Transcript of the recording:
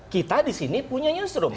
kita di sini punya newsroom